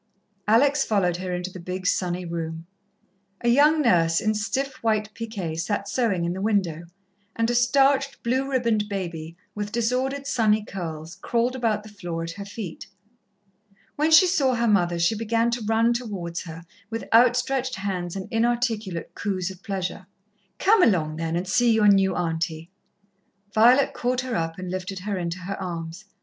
Alex followed her into the big, sunny room. A young nurse, in stiff white piqué, sat sewing in the window, and a starched, blue ribboned baby, with disordered, sunny curls, crawled about the floor at her feet. When she saw her mother she began to run towards her, with outstretched hands and inarticulate coos of pleasure. "Come along, then, and see your new Auntie." Violet caught her up and lifted her into her arms.